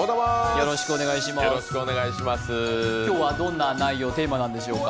今日はどんな内容・テーマなんでしょうか。